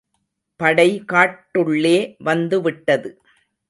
படை காட்டுள்ளே வந்துவிட்டது.